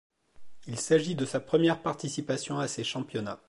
Il s'agit de sa première participation à ces championnats.